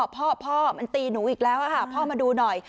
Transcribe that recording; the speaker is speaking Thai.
พ่อมันตีหนูอีกแล้วพ่อมาดูหน่อย